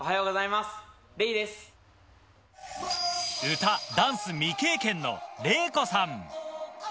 歌、ダンス未経験のレイコさん。